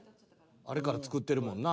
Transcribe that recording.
あれから作ってるもんな。